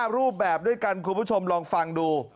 รูปแบบด้วยกันคุณผู้ชมลองฟังดู